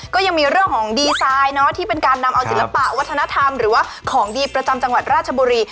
ก็ยังมีเรื่องของดีไซน์ที่เป็นการนำเอาศิลปะวัฒนธรรมหรือว่าของดีประจำจังหวัดราชบุรี